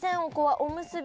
おむすび